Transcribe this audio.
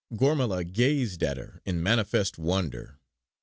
Gormala gazed at her in manifest wonder.